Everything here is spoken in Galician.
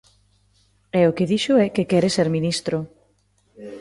E o que dixo é que quere ser ministro.